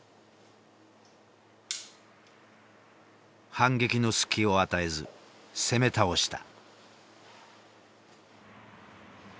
反撃の隙を与えず攻め倒した。